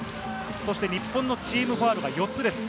日本のチームファウルが４つです。